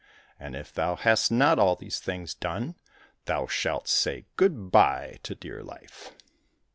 And if thou hast not all these things done, thou shalt say good bye to dear life."